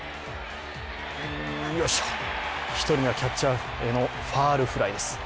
１人目はキャッチャーのファウルフライです。